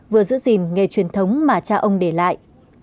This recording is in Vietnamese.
vừa giữ gìn nghề truyền thống mà cha ông để lại